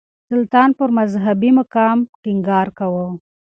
سلطان پر مذهبي مقام ټينګار کاوه.